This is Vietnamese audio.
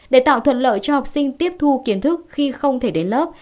để tạo thuận lợi cho học sinh tiếp thu kiến thức khi không thể đến lớp